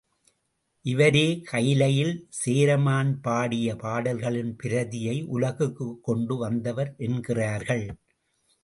இவரே கயிலையில் சேரமான் பாடிய பாடல்களின் பிரதியை உலகுக்குக் கொண்டு வந்தவர் என்கிறார்கள்.